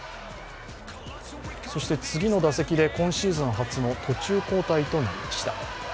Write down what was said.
そして、次の打席で今シーズン初の途中交代となりました。